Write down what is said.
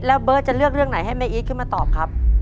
แล้วเบิร์ตจะเลือกเรื่องไหนให้แม่อีทขึ้นมาตอบครับ